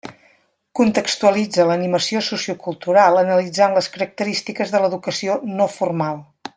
Contextualitza l'animació sociocultural, analitzant les característiques de l'educació no formal.